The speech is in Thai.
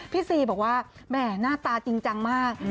พี่ซีบอกว่าหน้าตาจริงจังมาก